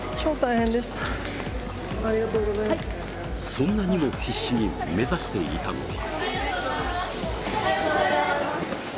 そんなにも必死に目指していたのは。